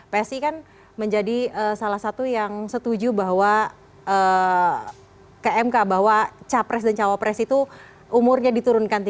psi kan menjadi salah satu yang setuju bahwa ke mk bahwa capres dan cawapres itu umurnya diturunkan tiga puluh